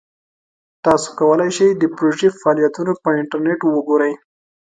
تاسو کولی شئ د پروژې فعالیتونه په انټرنیټ وګورئ.